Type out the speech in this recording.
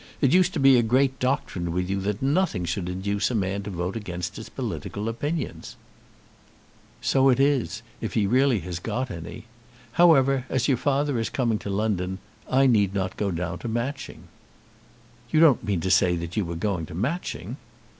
It used to be a great doctrine with you, that nothing should induce a man to vote against his political opinions." "So it is, if he has really got any. However, as your father is coming to London, I need not go down to Matching." "You don't mean to say that you were going to Matching?"